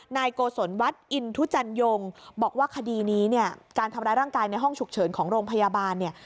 นายโกศลวัดอินทุจันยงบอกว่าคดีนี้เนี่ยการทำร้ายร่างกายในห้องฉุกเฉินของโรงพยาบาลเนี่ย